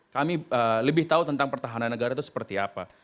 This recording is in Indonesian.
kami lebih tahu tentang pertahanan negara itu seperti apa